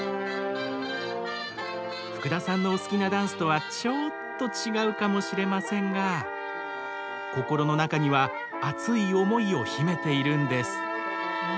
福田さんのお好きなダンスとはちょっと違うかもしれませんが心の中には熱い思いを秘めているんです。